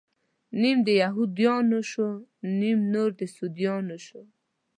نيم د يهود يانو شو، نيم نور د سعوديانو شو